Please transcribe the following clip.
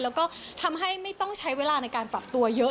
แล้วก็ทำให้ไม่ต้องใช้เวลาในการปรับตัวเยอะ